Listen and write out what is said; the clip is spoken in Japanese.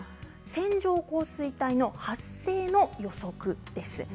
線状降水帯の発生の予測です。